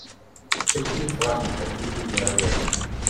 Třetím z hlavních hrdinů je Rojer.